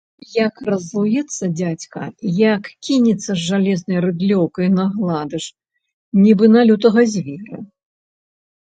Як раззлуецца дзядзька, як кінецца з жалезнай рыдлёўкай на гладыш, нібы на лютага звера.